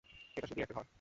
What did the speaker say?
এটা শুধুই একটা ঘর।